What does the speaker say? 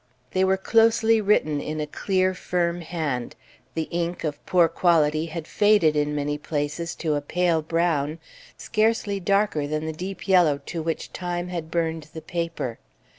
They were closely written in a clear, firm hand; the ink, of poor quality, had faded in many places to a pale brown scarcely darker than the deep yellow to which time had burned the paper.